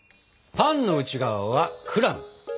パンの内側はクラム。